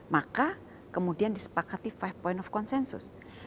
maka kemudian disepakati lima point of consensus